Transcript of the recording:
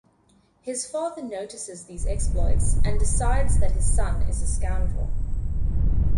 His father notices these exploits and decides that his son is a scoundrel.